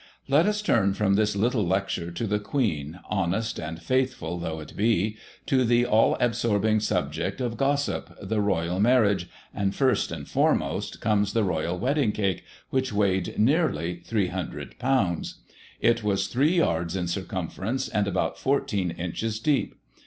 Let us turn from this little lecture to the Queen, honest and faithful though it be, to the all absorbing subject of Gossip, the Royal Marriage — ^and first, and foremost, comes the Royal Wedding Cake, which weighed nearly 30olbs. It was three yards in circumference £ind about 14 inches deep.